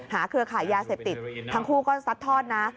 เครือขายยาเสพติดทั้งคู่ก็ซัดทอดนะ